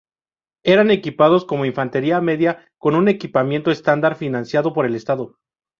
Eran equipados como infantería media con un equipamiento estándar financiado por el estado.